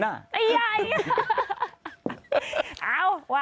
อ้าวว่ากันไป